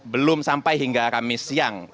belum sampai hingga kamis siang